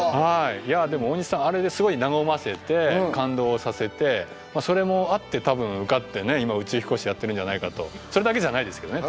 いやでも大西さんあれですごい和ませて感動させてそれもあって多分受かって今宇宙飛行士やってるんじゃないかとそれだけじゃないですけどね